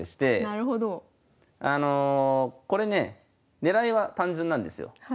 狙いは単純なんですよ。